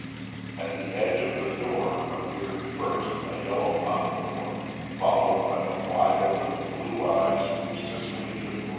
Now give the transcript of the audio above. At the edge of the door appeared first a yellow pompadour, followed by the wide open blue eyes of Cicely Dupuy.